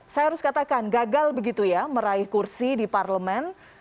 saya harus katakan gagal begitu ya meraih kursi di parlemen